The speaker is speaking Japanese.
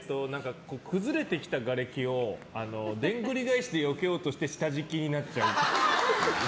崩れてきた、がれきをでんぐり返しでよけようとして下敷きになっちゃうっぽい。